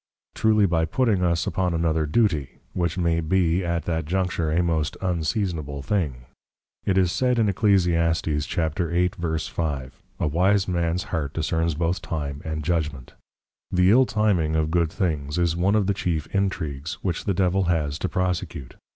Truly by putting us upon another Duty, which may be at that juncture a most Unseasonable Thing. It is said in Eccl. 8.5. A Wise Mans heart discerns both Time and Judgment. The Ill Timing of good Things, is One of the chief Intregues, which the Devil has to Prosecute.